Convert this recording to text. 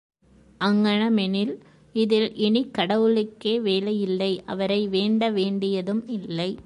அங்ஙனமெனில், இதில் இனிக் கடவுளுக்கே வேலையில்லை அவரை வேண்ட வேண்டியதும் இல்லை.